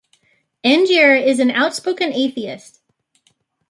Angier is an outspoken atheist.